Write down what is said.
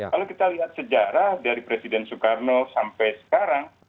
kalau kita lihat sejarah dari presiden soekarno sampai sekarang